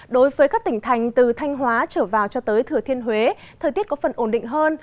đối với các tỉnh thành từ thanh hóa trở vào cho tới thừa thiên huế thời tiết có phần ổn định hơn